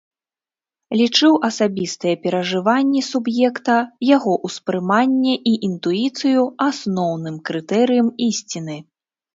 Лічыў асабістыя перажыванні суб'екта, яго ўспрыманне і інтуіцыю асноўным крытэрыем ісціны.